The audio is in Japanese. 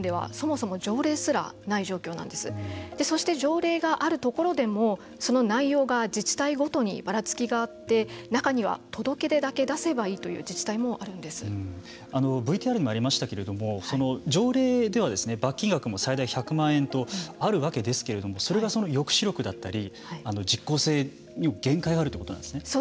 そして、条例があるところでもその内容が、自治体ごとにばらつきがあって中には、届け出だけ出せばいいというＶＴＲにもありましたけれども条例では罰金額も最大１００万円とあるわけですけれどもそれが抑止力だったり実効性にも限界があるということなんですね。